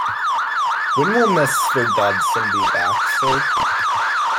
When will Mr. Dodson be back, sir?